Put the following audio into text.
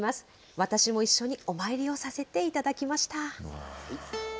私も一緒にお参りをさせていただきました。